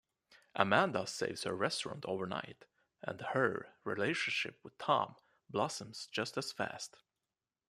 Amanda saves her restaurant overnight, and her relationship with Tom blossoms just as fast.